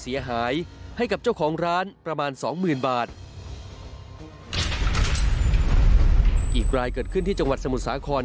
อีกรายเกิดขึ้นที่จังหวัดสมุทรสาคร